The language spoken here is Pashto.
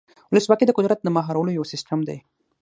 ولسواکي د قدرت د مهارولو یو سیستم دی.